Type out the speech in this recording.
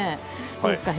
どうですか？